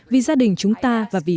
vì gia đình chúng ta và vì chúng ta